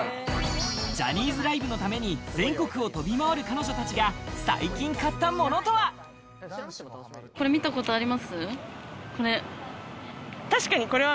ジャニーズライブのために全国を飛び回る彼女たちが最近買ったものとは？